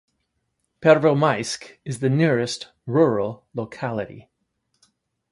Pervomayskoye is the nearest rural locality.